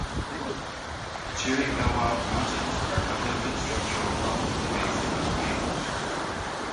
The Chiricahua Mountains are an uplifted structural block of the Basin and Range.